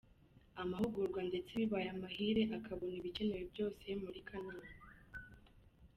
Amahugurwa ndetse bibaye amahire akabona ibikenewe Byose muri Kanama.